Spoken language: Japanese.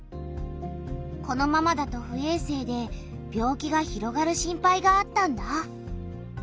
このままだと不衛生で病気が広がる心配があったんだ。